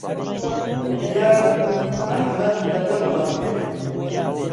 بڕیار بوو ئەحمەد لەگەڵمان بێت.